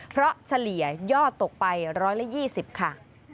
เพราะเฉลี่ยยอดตกไป๑๒๐ค่ะ